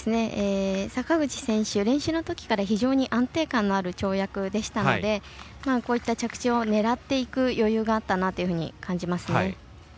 坂口選手、練習のときから非常に安定感のある跳躍でしたのでこういった着地を狙っていく余裕があったなと感じますね。